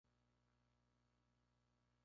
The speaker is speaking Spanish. Se lo ve de espalda, detrás de la placa.